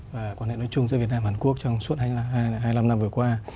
và quan hệ nối chung giữa việt nam hàn quốc trong suốt hai mươi năm năm vừa qua